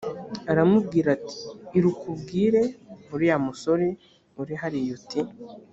aramubwira ati iruka ubwire uriya musore uri hariya uti